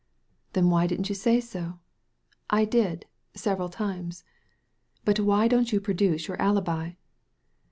" Then why didn't you say so ?"•* I did, several times." "But why don't you produce your alibi